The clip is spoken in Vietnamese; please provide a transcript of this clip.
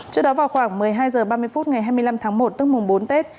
trước đó vào khoảng một mươi hai h ba mươi phút ngày hai mươi năm tháng một tức mùng bốn tết